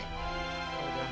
baik ya pak rt